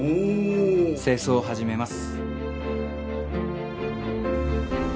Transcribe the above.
清掃始めます。